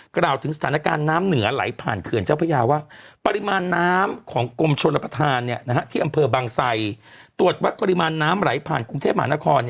กล่าวถึงสถานการณ์น้ำเหนือไหลผ่านเขื่อนเจ้าพระยาว่าปริมาณน้ำของกรมชนรับประทานที่อำเภอบางไซตรวจวัดปริมาณน้ำไหลผ่านกรุงเทพมหานคร